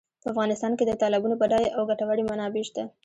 په افغانستان کې د تالابونو بډایه او ګټورې منابع شته.